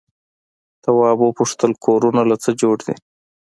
تواب وپوښتل کورونه له څه جوړ دي؟